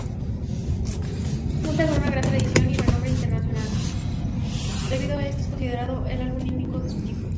Debido a esto, es considerado un álbum único en su tipo.